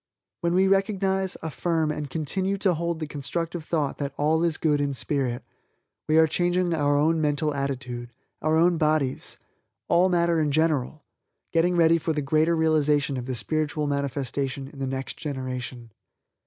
When we recognize, affirm, and continue to hold the constructive thought that All is Good in spirit, we are changing our own mental attitude, our own bodies, all matter in general getting ready for the greater realization of the spiritual manifestation in the next generation.